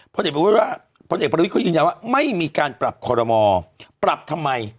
พลเอกประวิทย์เขายืนยันว่าไม่มีการปรับคอรมอปรับทำไม